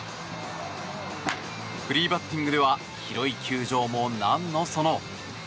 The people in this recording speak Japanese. フリーバッティングでは広い球場も何のその。